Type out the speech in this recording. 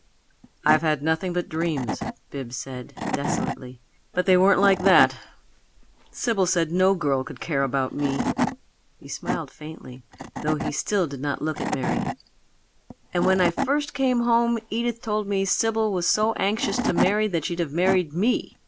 "I've had nothing but dreams," Bibbs said, desolately, "but they weren't like that. Sibyl said no girl could care about me." He smiled faintly, though still he did not look at Mary. "And when I first came home Edith told me Sibyl was so anxious to marry that she'd have married ME.